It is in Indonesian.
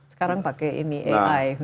sekarang pakai ini ai